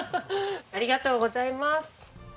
ありがとうございます。